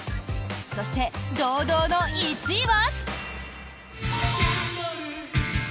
そして、堂々の１位は。